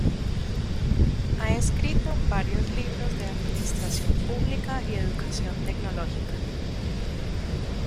Ha escrito varios libros de administración pública y educación tecnológica.